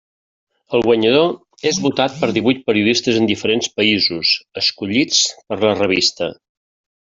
El guanyador és votat per divuit periodistes de diferents països, escollits per la revista.